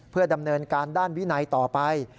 เพื่อดำเนินการด้านวินัยต่อไป